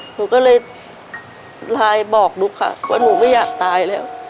หนูก็เลยไลน์บอกหนูค่ะว่าหนูไม่อยากตายแล้ว